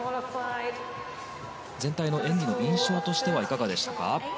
全体の演技の印象はいかがでしたか。